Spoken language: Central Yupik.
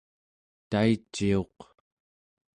taiciuq